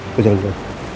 aku jalan dulu